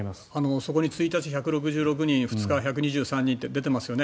そこに１日、１６６人２日、１２３人と出ていますよね。